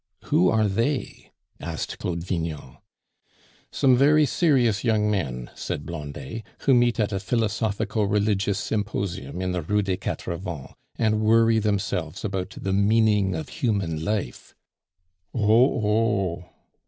"Who are 'they'?" asked Claude Vignon. "Some very serious young men," said Blondet, "who meet at a philosophico religious symposium in the Rue des Quatre Vents, and worry themselves about the meaning of human life " "Oh! oh!"